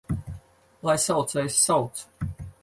Lai saucējs sauc!